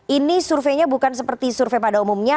ini surveinya bukan seperti survei pada umumnya